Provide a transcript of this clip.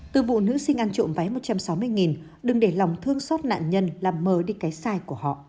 từ vụ nữ sinh ăn trộm váy một trăm sáu mươi đừng để lòng thương xót nạn nhân làm mờ đi cái sai của họ